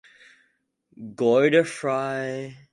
Godeffroy.